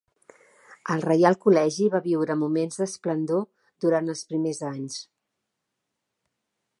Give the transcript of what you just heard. El reial col·legi va viure moments d'esplendor durant els primers anys.